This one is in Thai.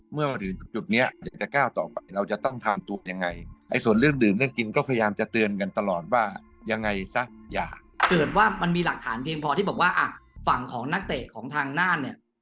มีหลักฐานเพียงพอที่บอกว่าอ่ะฝั่งของนักเตะของทางหน้า